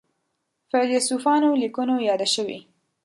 فیلسوفانو لیکنو یاده شوې.